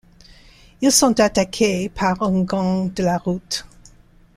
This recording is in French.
Ils sont attaqués par un gang de la route.